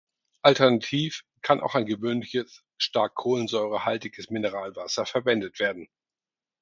Alternativ kann auch ein gewöhnliches, stark kohlensäurehaltiges Mineralwasser verwendet werden.